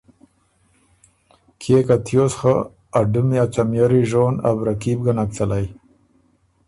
کيې که تیوس خه ا ډُمی ا څمئری ژون، ا بره کي بو ګۀ نک څلئ